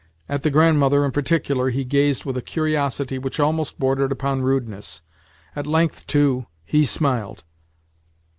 At the Grandmother, in particular, he gazed with a curiosity which almost bordered upon rudeness. At length, too, he smiled.